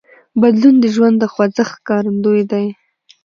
بدلون د ژوند د خوځښت ښکارندوی دی.